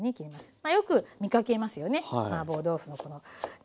まあよく見かけますよね。